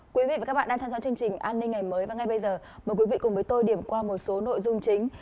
quý vị và các bạn đang theo dõi chương trình an ninh ngày mới và ngay bây giờ mời quý vị cùng với tôi điểm qua một số nội dung chính